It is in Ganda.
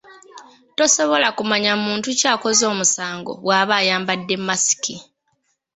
Tosobola kumanya muntu ki akoze musango bw'aba ayambadde masiki.